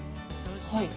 はい